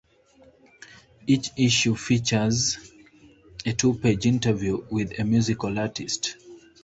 Each issue features a two-page interview with a musical artist.